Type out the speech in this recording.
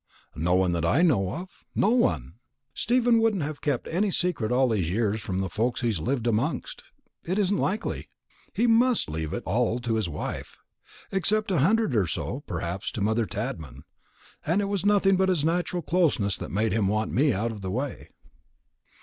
No one that I know of; no one. Stephen wouldn't have kept any secret all these years from the folks he's lived amongst. It isn't likely. He must leave it all to his wife, except a hundred or so, perhaps, to mother Tadman; and it was nothing but his natural closeness that made him want me out of the way."